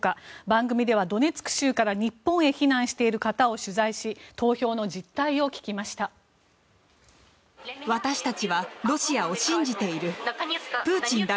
番組では、ドネツク州から日本へ避難している方を取材し投票の実態を聞きました。